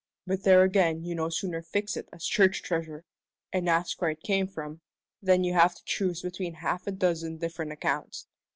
But there again you no sooner fix it as church treasure, and ask where it came from, than you have to choose between half a dozen different accounts.